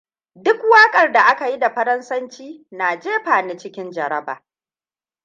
Duk waƙar da aka yi da Faransanci na jefa ni cikin jaraba.